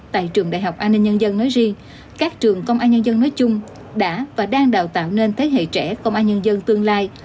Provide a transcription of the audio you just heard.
tại trường đại học an ninh nhân dân nói riêng các trường công an nhân dân nói chung đã và đang đào tạo nên thế hệ trẻ công an nhân dân tương lai